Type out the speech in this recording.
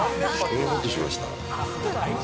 ほっとしました。